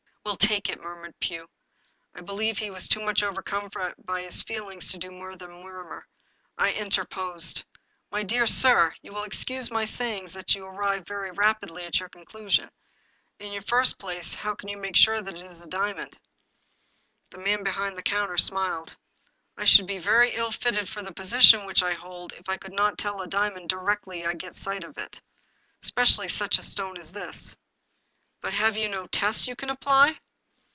"We'll take it," murmured Pugh; I believe he was too much overcome by his feeUngs to do more than mur mur. I interposed. " My dear sir, you will excuse my saying that you arrive very rapidly at your conclusions. In the first place, how can you make sure that it is a diamond ?" The man behind the counter smiled. " I should be very ill fitted for the position which I hold if I could not tell a diamond directly I get a sight of it, especially such a stone as this." " But have you no tests you can apply